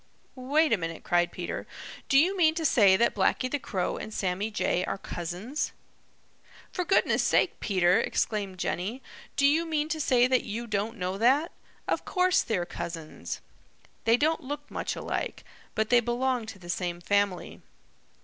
"Wait a minute," cried Peter. "Do you mean to say that Blacky the Crow and Sammy Jay are cousins?" "For goodness' sake, Peter!" exclaimed Jenny, "do you mean to say that you don't know that? Of course they're cousins. They don't look much alike, but they belong to the same family.